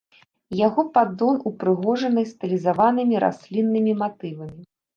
Яго паддон упрыгожаны стылізаванымі расліннымі матывамі.